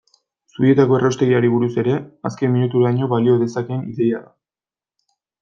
Zubietako erraustegiari buruz ere, azken minuturaino balio dezakeen ideia da.